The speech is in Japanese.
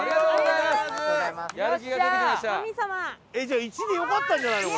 じゃあ「１」でよかったんじゃないの？